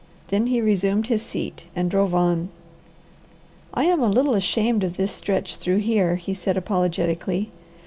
Then he resumed his seat and drove on. "I am a little ashamed of this stretch through here," he said apologetically.